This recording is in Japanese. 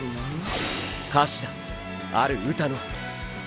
歌詞だある歌の。